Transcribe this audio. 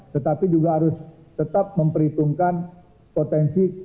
tetapi juga harus tetap memperhitungkan potensi